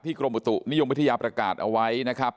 กรมอุตุนิยมวิทยาประกาศเอาไว้นะครับ